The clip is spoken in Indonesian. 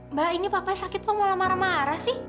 mbak ini papa sakit kok malah marah marah sih